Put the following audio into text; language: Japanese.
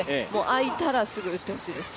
あいったらすぐうってほしいです。